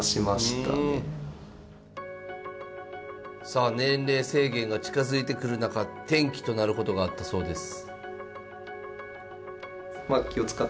さあ年齢制限が近づいてくる中転機となることがあったそうです。